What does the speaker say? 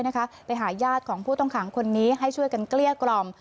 นะคะไปหาย่าของผู้ต้องห่างคนนี้ให้ช่วยการเกลี้ยกล่อม